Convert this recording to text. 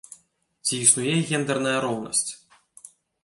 Ці існуе гендэрная роўнасць?